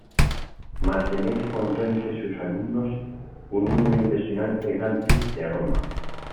Massenet contó entre sus alumnos un número impresionante de Grand prix de Roma.